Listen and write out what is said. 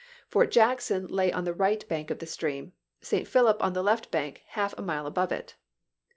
Fort Jack son lay on the right bank of the stream; St. Philip on the left bank half a mile above it.